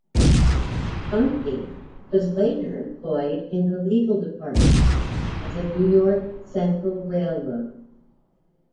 Dunphy was later employed in the legal department of the New York Central Railroad.